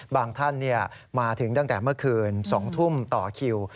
ท่านมาถึงตั้งแต่เมื่อคืน๒ทุ่มต่อคิว